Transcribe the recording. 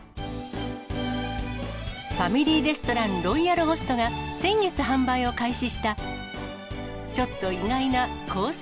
ファミリーレストラン、ロイヤルホストが、先月販売を開始したちょっと意外なコース